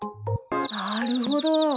なるほど。